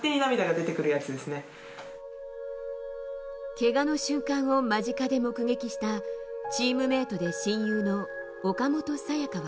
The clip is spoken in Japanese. けがの瞬間を間近で目撃したチームメートで親友の岡本彩也花は。